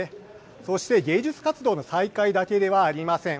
そして、芸術活動の再開だけではありません。